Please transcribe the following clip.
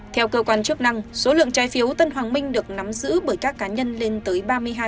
theo cơ quan chức năng số lượng trái phiếu tân hoàng minh được nắm giữ bởi các cá nhân lên tới ba mươi hai